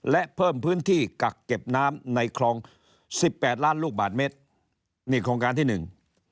และเพิ่มพื้นที่กักเก็บน้ำในคลองสิบแปดล้านลูกบาทเมตรนี่โครงการที่หนึ่ง